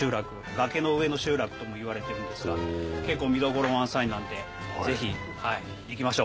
崖の上の集落ともいわれてるんですが結構見どころ満載なんでぜひ行きましょう。